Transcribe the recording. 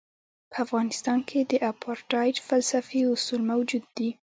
په افغانستان کې د اپارټایډ فلسفي اصول موجود دي.